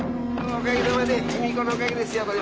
おかげさまで卑弥呼のおかげですよ。